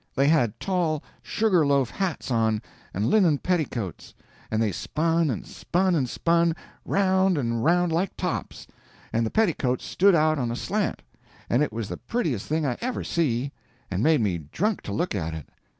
They had tall sugar loaf hats on, and linen petticoats; and they spun and spun and spun, round and round like tops, and the petticoats stood out on a slant, and it was the prettiest thing I ever see, and made me drunk to look at it.